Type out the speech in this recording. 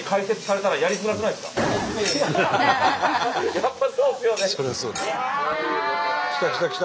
やっぱそうですよね。